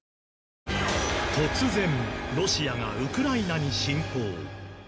突然、ロシアがウクライナに侵攻。